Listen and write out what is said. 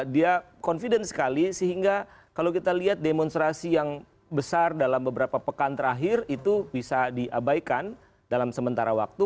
dia confident sekali sehingga kalau kita lihat demonstrasi yang besar dalam beberapa pekan terakhir itu bisa diabaikan dalam sementara waktu